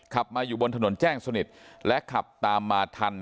ขับมาอยู่บนถนนแจ้งสนิทและขับตามมาทัน